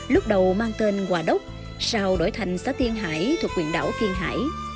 lúc đầu mang tên hòa đốc sau đổi thành xã tiên hải thuộc quyền đảo kiên hải